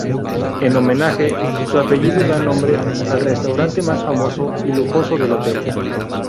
En homenaje, su apellido da nombre al restaurante más famoso y lujoso del hotel.